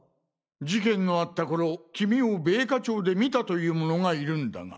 事件のあった頃君を米花町で見たという者がいるんだが。